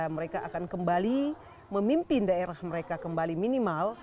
mereka akan kembali memimpin daerah mereka kembali minimal